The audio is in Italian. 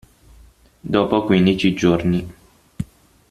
Dopo quindici giorni.